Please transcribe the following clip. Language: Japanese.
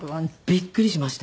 びっくりしました。